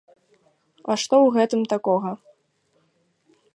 А што ў гэтым такога!?